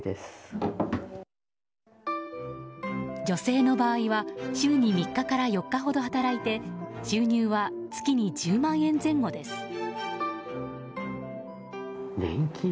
女性の場合は週３日から４日ほど働いて収入は月に１０万円前後です。